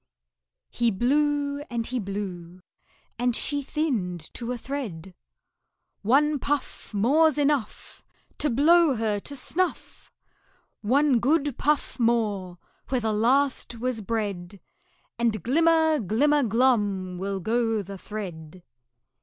He blew and he blew, and she thinned to a thread. "One puff More's enough To blow her to snuff! One good puff more where the last was bred, And glimmer, glimmer, glum will go the thread!"